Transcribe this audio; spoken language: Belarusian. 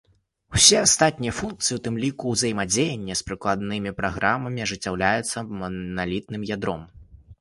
Усе астатнія функцыі, у тым ліку ўзаемадзеянне з прыкладнымі праграмамі, ажыццяўляюцца маналітным ядром.